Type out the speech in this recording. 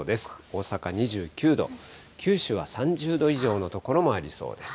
大阪２９度、九州は３０度以上の所もありそうです。